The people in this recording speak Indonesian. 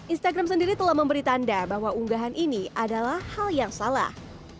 instagram sendiri telah memberi tanda bahwa unggahan ini adalah hal yang salah